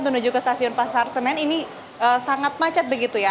menuju ke stasiun pasar senen ini sangat macet begitu ya